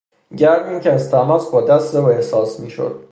گرمی که از تماس با دست او احساس میشد